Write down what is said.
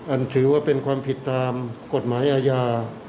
ถือว่าเป็นความผิดตามกฎหมายอาญา